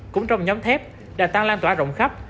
cũng trong nhóm thép đa tăng lan tỏa rộng khắp